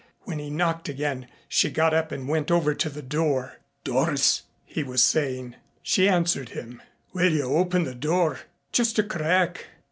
When he knocked again she got up and went over to the door. "Doris!" he was saying. She answered him. "Will you open the door just a crack?"